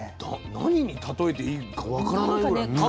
何に例えていいか分からないぐらい。